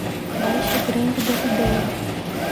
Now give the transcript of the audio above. Baixa Grande do Ribeiro